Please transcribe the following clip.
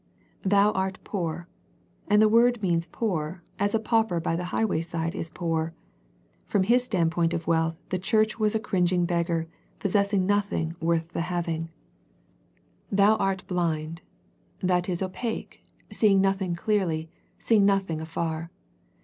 " Thou art poor," and the word means poor as a pauper by the highway side is poor. From His standpoint of wealth the church was a cringing beggar, possessing nothing worth the having. The Laodicea Letter 20 j " Thou art blind." That is opaque, seeing nothing clearly, seeing nothing afar.